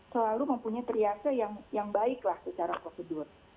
selalu mempunyai triase yang baiklah secara prosedur